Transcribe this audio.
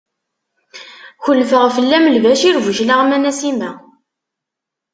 Kelfeɣ fell-am Lbacir Buclaɣem a Nasima!